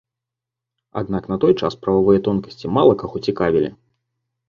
Аднак на той час прававыя тонкасці мала каго цікавілі.